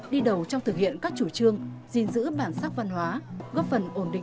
đi đầu trong thực hiện các chủ trương giữ bản sắc văn hóa